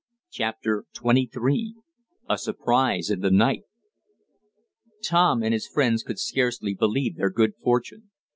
CHAPTER XXIII A SURPRISE IN THE NIGHT Tom and his friends could scarcely believe their good fortune.